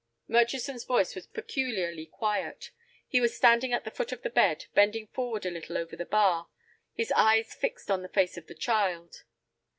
Murchison's voice was peculiarly quiet. He was standing at the foot of the bed, bending forward a little over the bar, his eyes fixed on the face of the child.